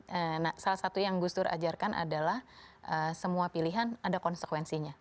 yes yes kan salah satu yang gus tur ajarkan adalah semua pilihan ada konsekuensinya